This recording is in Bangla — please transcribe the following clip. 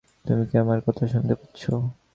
তুমি কি আমার কথা শুনতে পাচ্ছ?